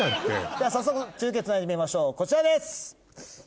では早速中継つないでみましょうこちらです！